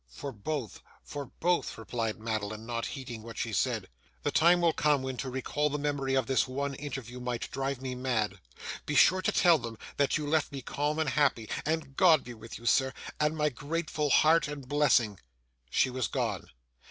'For both, for both,' replied Madeline, not heeding what she said. 'The time will come when to recall the memory of this one interview might drive me mad. Be sure to tell them, that you left me calm and happy. And God be with you, sir, and my grateful heart and blessing!' She was gone.